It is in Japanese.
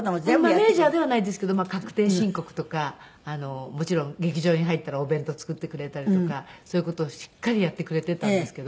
マネジャーではないですけど確定申告とかもちろん劇場に入ったらお弁当を作ってくれたりとかそういう事をしっかりやってくれていたんですけど。